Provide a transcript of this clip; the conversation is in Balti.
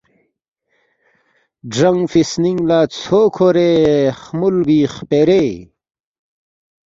گرانگفی سنینگلا ژھو کھورے خمولبی خپرے